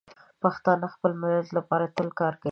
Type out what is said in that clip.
پښتانه د خپل ملت لپاره تل کار کوي.